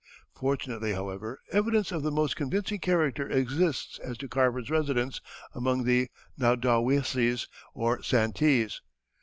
Fortunately, however, evidence of the most convincing character exists as to Carver's residence among the Naudowessies or Santees.